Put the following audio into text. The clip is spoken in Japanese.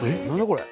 これ。